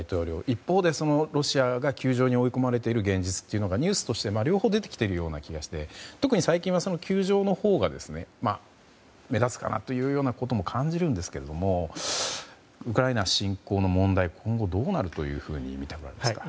一方で、ロシアが窮状に追い込まれている現実というのがニュースとして両方出てきているような気がして特に最近は窮状のほうが目立つかなということも感じるんですけどもウクライナ侵攻の問題、今後どうなると見立てていますか。